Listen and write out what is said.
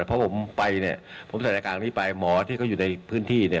เพราะผมไปเนี่ยผมสถานการณ์นี้ไปหมอที่เขาอยู่ในพื้นที่เนี่ย